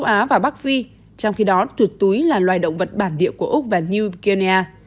á và bắc phi trong khi đó chuột túi là loài động vật bản địa của úc và new guinea